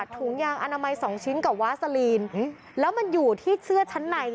ถุงยางอนามัยสองชิ้นกับวาซาลีนแล้วมันอยู่ที่เสื้อชั้นใน